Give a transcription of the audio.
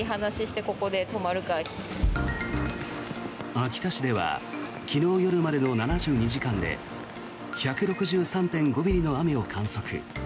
秋田市では昨日夜までの７２時間で１６３．５ミリの雨を観測。